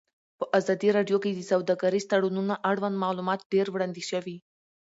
په ازادي راډیو کې د سوداګریز تړونونه اړوند معلومات ډېر وړاندې شوي.